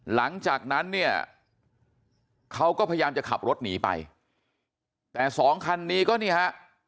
หลังจากนั้นเนี่ยเขาก็พยายามจะขับรถหนีไปแต่สองคันนี้ก็นี่ฮะ